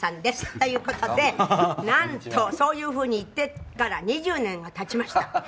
という事で、なんとそういうふうに言ってから２０年が経ちました。